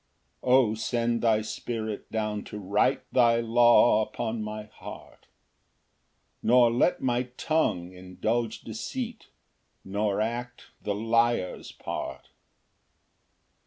2 O send thy Spirit down to write Thy law upon my heart! Nor let my tongue indulge deceit, Nor act the liar's part.